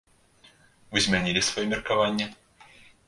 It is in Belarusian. Вы змянілі сваё меркаванне?